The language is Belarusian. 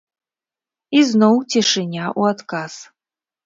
Ізноў цішыня ў адказ.